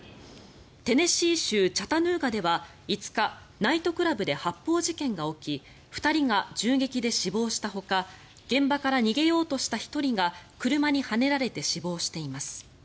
テネシー州チャタヌーガでは５日ナイトクラブで発砲事件が起き２人が銃撃で死亡したほか現場から逃げようとした１人が車にはねられて死亡しています。